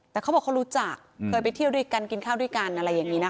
แต่เขาบอกเขารู้จักเคยไปเที่ยวด้วยกันกินข้าวด้วยกันอะไรอย่างนี้นะคะ